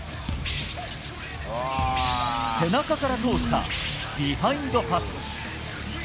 背中から通したビハインドパス。